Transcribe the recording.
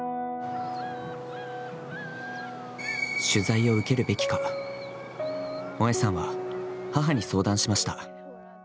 取材を受けるべきか、萌江さんは母に相談しました。